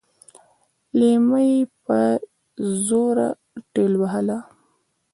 ليلما يې په زوره ټېلوهله.